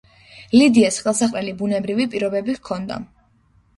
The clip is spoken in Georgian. ლიდიას ხელსაყრელი ბუნებრივი პირობები ჰქონდა.